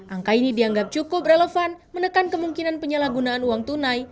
angka ini dianggap cukup relevan menekan kemungkinan penyalahgunaan uang tunai